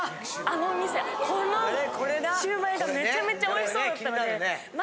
あの店このシュウマイがめちゃめちゃおいしそうだったので。